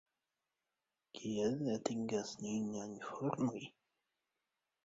Kiel atingas nin la informoj?